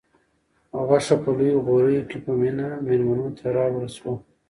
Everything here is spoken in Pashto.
غوښه په لویو غوریو کې په مینه مېلمنو ته راوړل شوه.